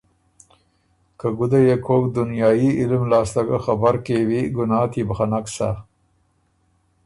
که ګده يې کوک دنیايي علم لاسته ګۀ خبر کېوی ګناه تيې بو خه نک سۀ۔